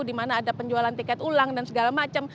di mana ada penjualan tiket ulang dan segala macam